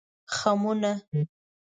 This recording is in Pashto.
خمونه